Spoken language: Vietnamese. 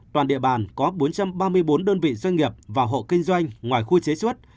toàn địa bàn có bốn trăm ba mươi bốn đơn vị doanh nghiệp và hộ kinh doanh ngoài khu chế xuất